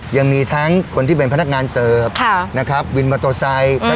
ยังมีทั้งคนที่เป็นพนักงานเสิร์ฟนะครับวินมอเตอร์ไซค์